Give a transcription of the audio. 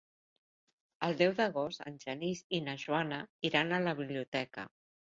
El deu d'agost en Genís i na Joana iran a la biblioteca.